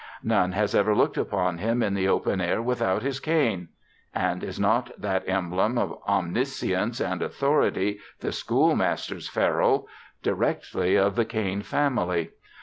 None has ever looked upon him in the open air without his cane. And is not that emblem of omniscience and authority, the schoolmaster's ferule, directly of the cane family?